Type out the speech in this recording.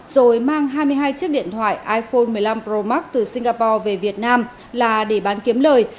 rồi mang hai mươi hai chiếc điện thoại iphone một mươi năm pro max từ singapore về việt nam là để bán kiếm lời